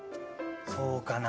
そうかな？